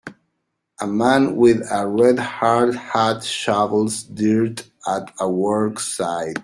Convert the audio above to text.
A man with a red hard hat shovels dirt at a work site